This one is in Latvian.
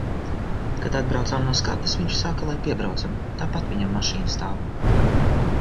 Kad atbraucām no skates, viņš saka, lai piebraucam, tāpat viņam mašīna stāv.